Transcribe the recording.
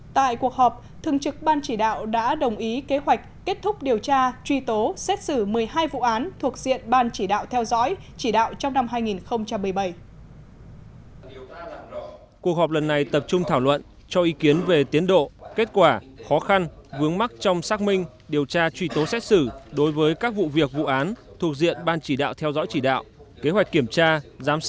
tại cuộc họp thường trực ban chỉ đạo đã đồng ý kế hoạch kết thúc điều tra truy tố xét xử một mươi hai vụ án thuộc diện ban chỉ đạo theo dõi chỉ đạo trong năm hai nghìn một mươi bảy